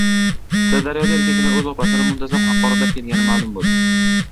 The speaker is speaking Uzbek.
Sirdaryoda erkaklar o‘z opasini muntazam haqoratlab kelgani ma’lum bo‘ldi